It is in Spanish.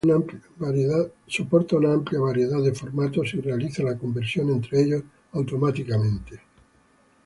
Soporta una amplia variedad de formatos y realiza la conversión entre ellos automáticamente.